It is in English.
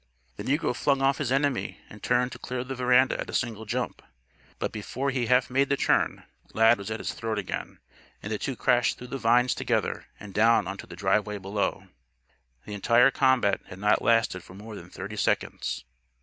The negro flung off his enemy and turned to clear the veranda at a single jump. But before he had half made the turn, Lad was at his throat again, and the two crashed through the vines together and down onto the driveway below. The entire combat had not lasted for more than thirty seconds.